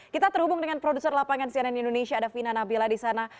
kita terhubung dengan produser lapangan cnn indonesia ada vina nabila di sana